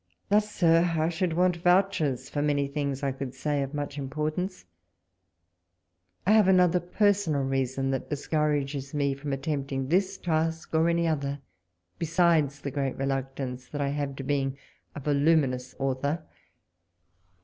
Thus, Sir, I should want vouchers for many things I could say of much importance. I have another per sonal reason that discourages me from attempt ing this task, or any other, besides the great reluctance that I have to being a voluminous author.